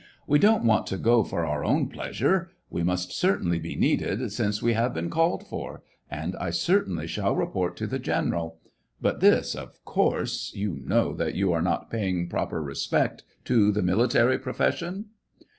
'* We don't want to go for our own pleasure. We must certainly be needed, since we have been called for. And I certainly shall report to the general. But this, of course, — you know that you are not paying proper respect to the military profession."